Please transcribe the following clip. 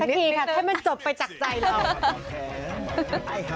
อีกนิดนึงถ้ามันจบไปจากใจเรา